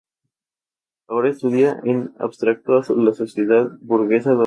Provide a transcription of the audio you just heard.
Ahora estudia en abstracto a la sociedad burguesa donde existen capitalistas y asalariados.